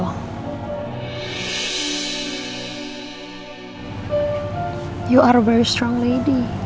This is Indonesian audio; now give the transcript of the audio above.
kamu adalah wanita yang sangat kuat